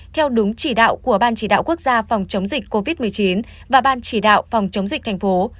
theo đúng chỉ đạo của ban chỉ đạo quốc gia phòng chống dịch covid một mươi chín và ban chỉ đạo phòng chống dịch thành phố